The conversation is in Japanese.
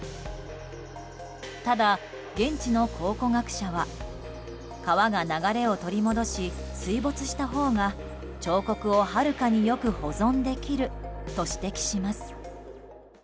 ただ、現地の考古学者は川が流れを取り戻し水没したほうが彫刻をはるかによく保存できると指摘します。